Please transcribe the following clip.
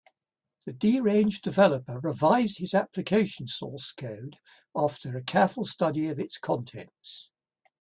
The deranged developer revised his application source code after a careful study of its contents.